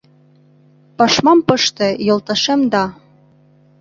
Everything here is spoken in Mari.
Пашмам пыште, йолташем да.